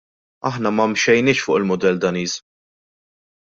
Aħna ma mxejniex fuq il-mudell Daniż.